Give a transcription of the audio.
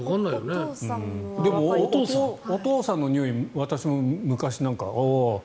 お父さんのにおい私も昔、ああ。